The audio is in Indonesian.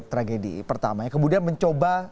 tragedi pertama kemudian mencoba